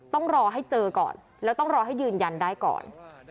ต้องรอให้เจอก่อนแล้วต้องรอให้ยืนยันได้ก่อน